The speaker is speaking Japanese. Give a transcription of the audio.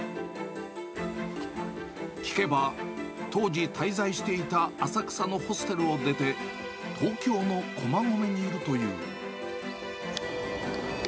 聞けば、当時、滞在していた浅草のホステルを出て、東京の駒込にいるという。